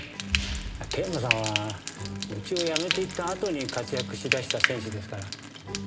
桂馬さんはうちを辞めていったあとに活躍しだした選手ですから。